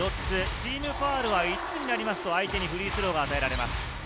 チームファウルは５つになりますと相手にフリースローが与えられます。